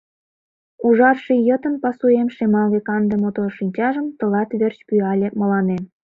Ужар ший йытын пасуэм Шемалге-канде мотор шинчажым Тылат верч пӱяле мыланем.